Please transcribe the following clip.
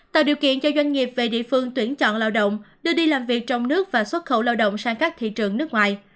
tạo điều kiện cho doanh nghiệp về địa phương tuyển chọn lao động đưa đi làm việc trong nước và xuất khẩu lao động sang các thị trường nước ngoài